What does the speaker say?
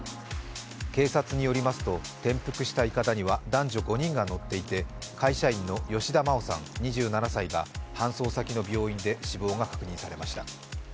警察によりますと転覆したいかだには男女５人が乗っていて会社員の吉田真央さん２７歳が搬送先の病院で死亡が確認されました。